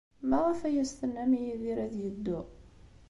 Maɣef ay as-tennam i Yidir ad yeddu?